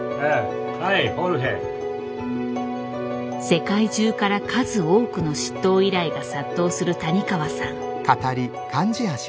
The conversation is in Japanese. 世界中から数多くの執刀依頼が殺到する谷川さん。